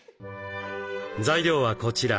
材料はこちら。